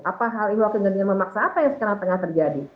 apa hal hal kegentingan memaksa apa yang sekarang tengah terjadi